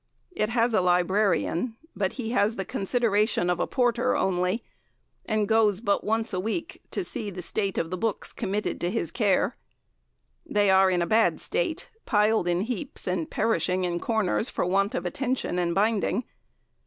It has a librarian, but he has the consideration of a porter only, and goes but once a week to see the state of the books committed to his care; they are in a bad state, piled in heaps and perishing in corners for want of attention and binding.